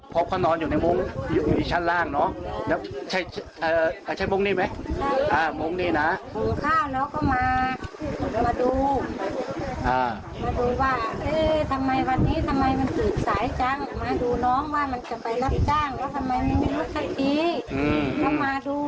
เจ้ารับจ้างแล้วก็ทำไมมันไม่กับปีแล้วมาดูมันเก็บมุ้งเก็บอะไร